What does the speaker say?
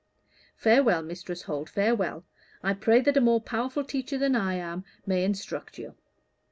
"Farewell, Mistress Holt, farewell. I pray that a more powerful teacher than I am may instruct you."